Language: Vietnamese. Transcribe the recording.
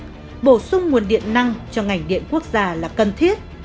bổ sung nguồn điện năng cho ngành điện quốc gia là cần thiết